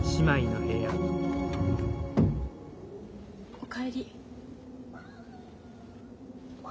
お帰り。